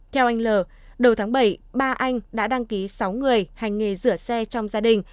theo anh l đầu tháng bảy ba anh đã đăng ký sáu người hành nghề rửa xe trong gia đình